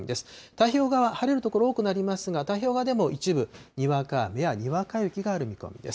太平洋側、晴れる所多くなりますが、太平洋側でも一部、にわか雨やにわか雪がある見込みです。